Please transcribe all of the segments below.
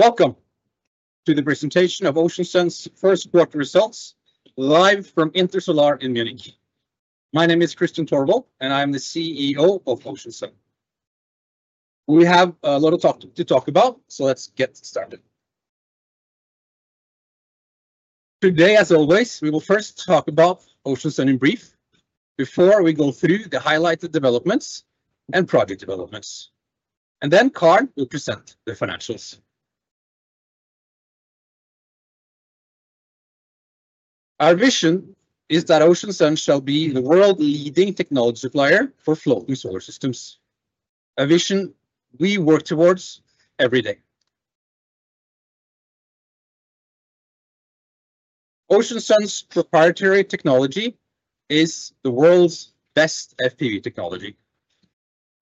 Welcome to the presentation of Ocean Sun's first broker results, live from Intersolar in Munich. My name is Kristian Tørvold, and I am the CEO of Ocean Sun. We have a lot to talk about, so let's get started. Today, as always, we will first talk about Ocean Sun in brief, before we go through the highlighted developments and project developments. Karl will present the financials. Our vision is that Ocean Sun shall be the world's leading technology supplier for floating solar systems, a vision we work towards every day. Ocean Sun's proprietary technology is the world's best FPV technology.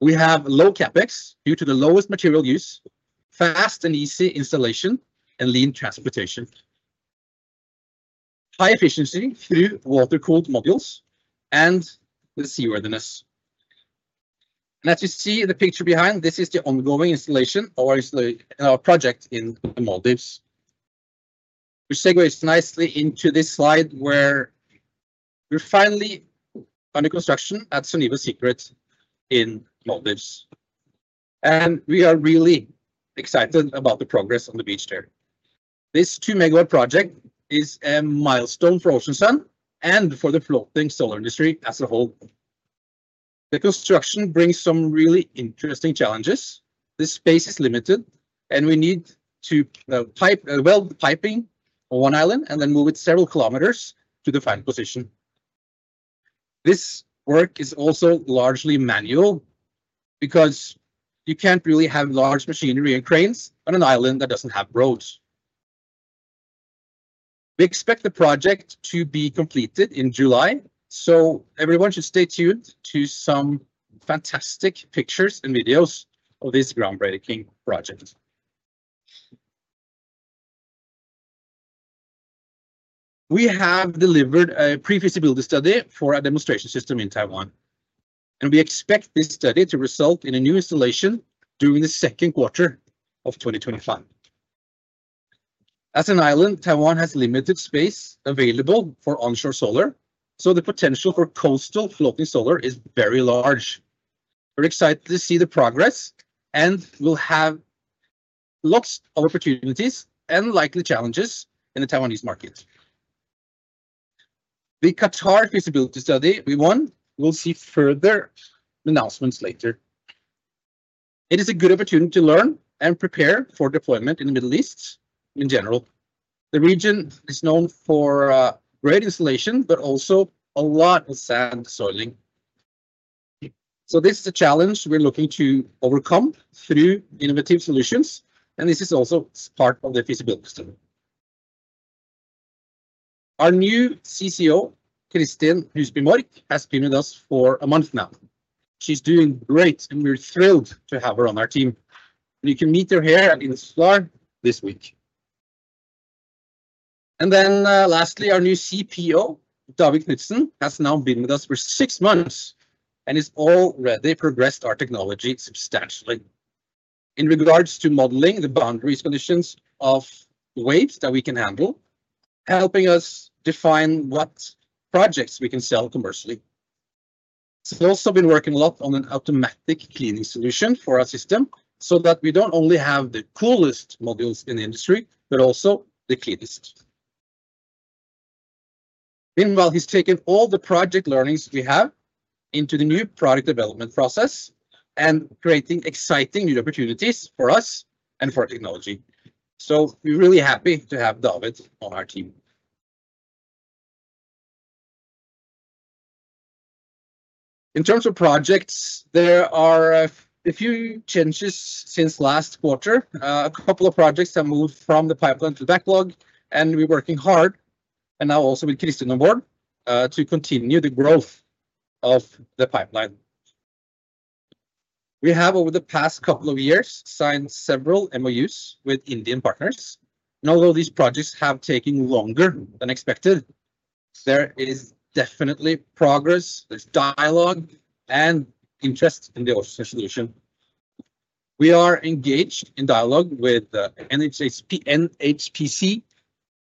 We have low CapEx due to the lowest material use, fast and easy installation, and lean transportation. High efficiency through water-cooled modules and the seaworthiness. As you see in the picture behind, this is the ongoing installation of our project in Maldives. Which segues nicely into this slide where we're finally under construction at Soneva Secret in Maldives. We are really excited about the progress on the beach there. This 2MW project is a milestone for Ocean Sun and for the floating solar industry as a whole. The construction brings some really interesting challenges. The space is limited, and we need to pipe the piping on one island and then move it several kilometers to the final position. This work is also largely manual because you can't really have large machinery and cranes on an island that doesn't have roads. We expect the project to be completed in July, so everyone should stay tuned to some fantastic pictures and videos of this groundbreaking project. We have delivered a pre-feasibility study for a demonstration system in Taiwan, and we expect this study to result in a new installation during the second quarter of 2025. As an island, Taiwan has limited space available for onshore solar, so the potential for coastal floating solar is very large. We're excited to see the progress and will have lots of opportunities and likely challenges in the Taiwanese market. The Qatar feasibility study we won will see further announcements later. It is a good opportunity to learn and prepare for deployment in the Middle East in general. The region is known for great insolation, but also a lot of sand soiling. This is a challenge we're looking to overcome through innovative solutions, and this is also part of the feasibility study. Our new CCO, Kristin Husby Mork, has been with us for a month now. She's doing great, and we're thrilled to have her on our team. You can meet her here in the slide this week. Lastly, our new CPO, David Knutsen, has now been with us for six months and has already progressed our technology substantially. In regards to modeling the boundary conditions of weights that we can handle, helping us define what projects we can sell commercially. He's also been working a lot on an automatic cleaning solution for our system so that we do not only have the coolest modules in the industry, but also the cleanest. Meanwhile, he's taken all the project learnings we have into the new product development process and creating exciting new opportunities for us and for technology. We're really happy to have David on our team. In terms of projects, there are a few changes since last quarter. A couple of projects have moved from the pipeline to the backlog, and we're working hard, and now also with Kristin on board, to continue the growth of the pipeline. We have, over the past couple of years, signed several MoUs with Indian partners, and although these projects have taken longer than expected, there is definitely progress, there's dialogue, and interest in the Ocean Sun solution. We are engaged in dialogue with NHPC,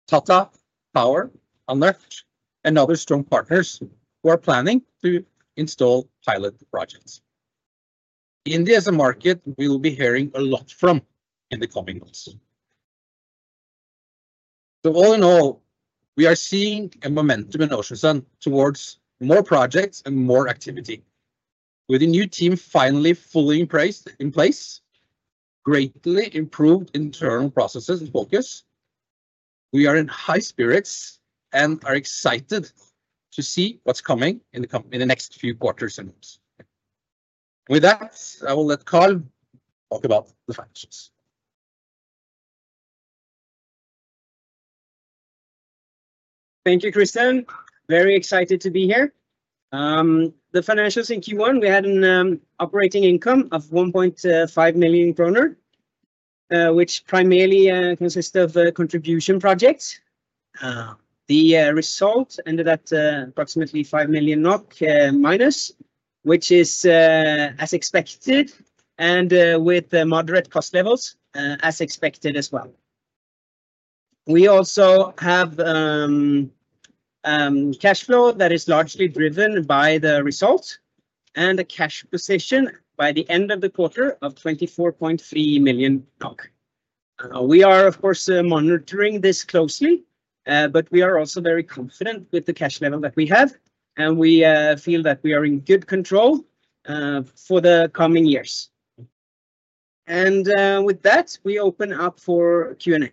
Tata Power, Unlocked, and other strong partners who are planning to install pilot projects. India, as a market, we will be hearing a lot from in the coming months. All in all, we are seeing a momentum in Ocean Sun towards more projects and more activity. With the new team finally fully in place, greatly improved internal processes and focus, we are in high spirits and are excited to see what's coming in the next few quarters and months. With that, I will let Karl talk about the financials. Thank you, Kristian. Very excited to be here. The financials in Q1, we had an operating income of 1.5 million kroner, which primarily consists of contribution projects. The result ended at approximately 5 million NOK minus, which is as expected, and with moderate cost levels as expected as well. We also have cash flow that is largely driven by the result and a cash position by the end of the quarter of 24.3 million. We are, of course, monitoring this closely, but we are also very confident with the cash level that we have, and we feel that we are in good control for the coming years. With that, we open up for Q&A.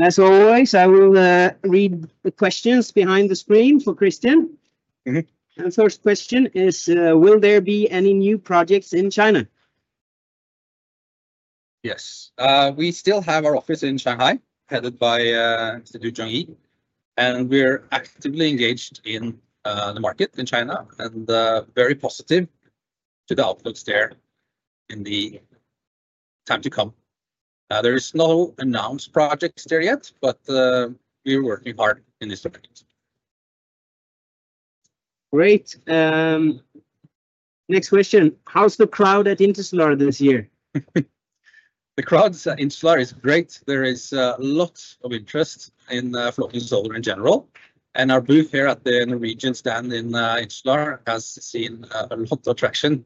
As always, I will read the questions behind the screen for Kristian. The first question is, will there be any new projects in China? Yes. We still have our office in Shanghai, headed by Zhu Zhongyi, and we're actively engaged in the market in China and very positive to the outputs there in the time to come. There are no announced projects there yet, but we're working hard in this regard. Great. Next question. How's the crowd at Intersolar this year? The crowd at Intersolar is great. There is a lot of interest in floating solar in general, and our booth here at the Norwegian stand in Intersolar has seen a lot of traction.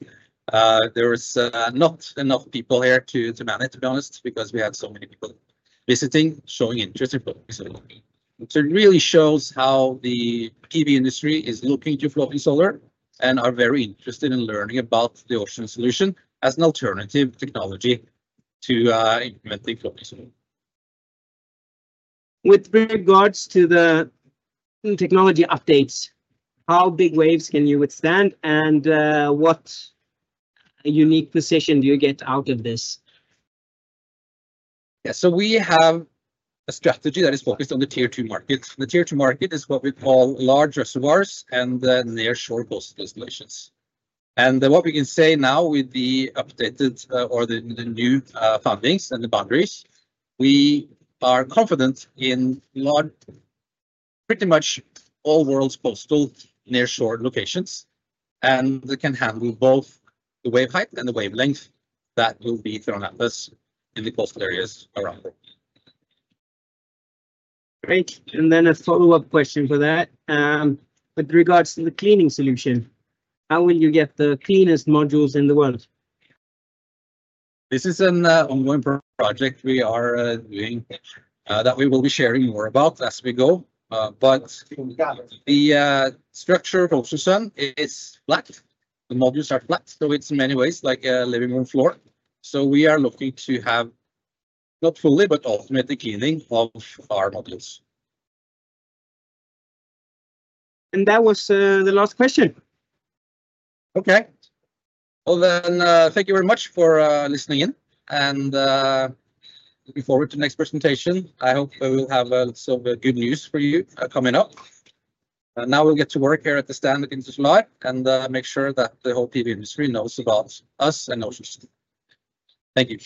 There was not enough people here to manage, to be honest, because we had so many people visiting, showing interest in floating solar. It really shows how the PV industry is looking to floating solar and are very interested in learning about the Ocean Sun solution as an alternative technology to implementing floating solar. With regards to the technology updates, how big waves can you withstand, and what unique position do you get out of this? Yeah, so we have a strategy that is focused on the tier two market. The tier two market is what we call large reservoirs and near-shore coastal installations. What we can say now with the updated or the new findings and the boundaries, we are confident in pretty much all world's coastal near-shore locations, and they can handle both the wave height and the wavelength that will be thrown at us in the coastal areas around it. Great. A follow-up question for that. With regards to the cleaning solution, how will you get the cleanest modules in the world? This is an ongoing project we are doing that we will be sharing more about as we go. The structure of Ocean Sun is flat. The modules are flat, so it is in many ways like a living room floor. We are looking to have not fully, but ultimately cleaning of our modules. That was the last question. Okay. Thank you very much for listening in, and looking forward to the next presentation. I hope we will have some good news for you coming up. Now we'll get to work here at the stand in Intersolar and make sure that the whole PV industry knows about us and Ocean Sun. Thank you.